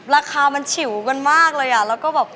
ราคามันฉิวกันมากเลยอ่ะแล้วก็แบบ